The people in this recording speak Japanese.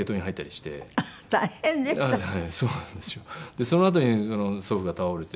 でそのあとに祖父が倒れて。